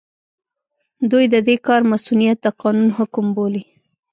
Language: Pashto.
دوی د دې کار مصؤنيت د قانون حکم بولي.